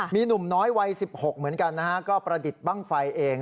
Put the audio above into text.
มีหนุ่มน้อยวัย๑๖เหมือนกันนะฮะก็ประดิษฐ์บ้างไฟเอง